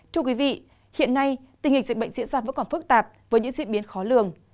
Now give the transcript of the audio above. thưa quý vị hiện nay tình hình dịch bệnh diễn ra vẫn còn phức tạp với những diễn biến khó lường